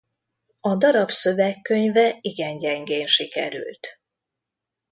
A darab szövegkönyve igen gyengén sikerült.